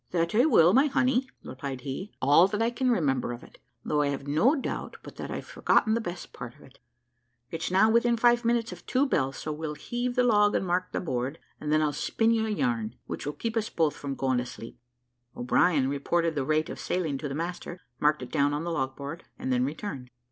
"That I will, my honey," replied he, "all that I can remember of it, though I have no doubt but that I've forgotten the best part of it. It's now within five minutes of two bells, so we'll heave the log and mark the board, and then I'll spin you a yarn, which will keep us both from going to sleep." O'Brien reported the rate of sailing to the master, marked it down on the log board, and then returned.